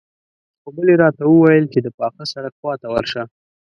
خو بلې راته وويل چې د پاخه سړک خواته ورشه.